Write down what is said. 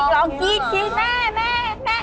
ร้องกี๊ดแม่แม่แม่